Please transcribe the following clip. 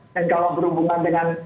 dan kalau berhubungan dengan